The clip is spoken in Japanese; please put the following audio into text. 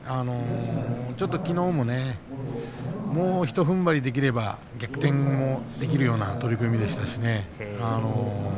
きのうもねもうひとふんばりできれば逆転できるような取組でしたしね。